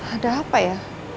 ada apa ya